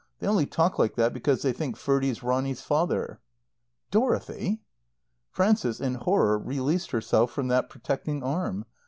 They only talk like that because they think Ferdie's Ronny's father." "Dorothy!" Frances, in horror, released herself from that protecting arm.